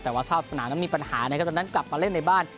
แต่ว่าทราบสนามนั้นมีปัญหานะครับดังนั้นกลับมาเล่นในบ้าน